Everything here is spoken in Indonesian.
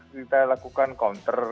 kita lakukan counter